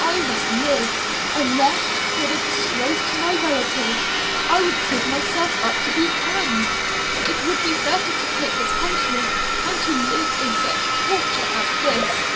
I must live. Unless for the disgrace to my relatives, I would give myself up to be hanged. It would be better to take the punishment than to live in such torture as this."